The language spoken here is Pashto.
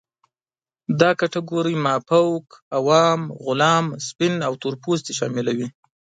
دا کټګورۍ مافوق، عوام، غلام، سپین او تور پوستې شاملوي.